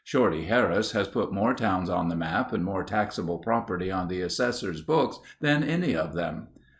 Shorty Harris has put more towns on the map and more taxable property on the assessors' books than any of them.